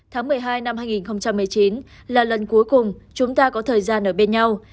tháng một mươi hai năm hai nghìn một mươi chín là lần cuối cùng chúng ta có thời gian ở bên nhau